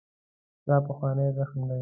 دا پخوانی زخم دی.